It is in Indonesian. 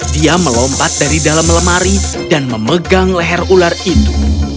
dia melompat dari dalam lemari dan memegang leher ular itu